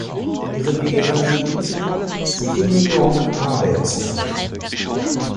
Ihre Lehrer rieten ihr, sich in New York Arbeit zu suchen.